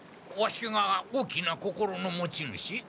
ワシが大きな心の持ち主？